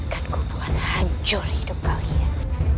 dan aku buat hancur hidup kalian